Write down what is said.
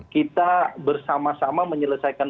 kita bersama sama menyelesaikan